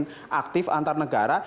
makin aktif antar negara